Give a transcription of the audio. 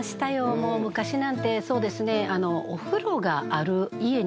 もう昔なんてそうですね。